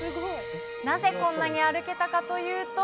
なぜこんなに歩けたかというと。